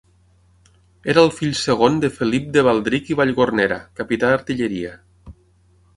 Era el fill segon de Felip de Baldric i Vallgornera, capità d'artilleria.